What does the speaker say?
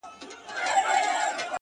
مړ يې کړم اوبه له ياده وباسم.